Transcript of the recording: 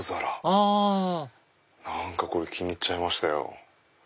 あ何かこれ気に入っちゃいましたよ。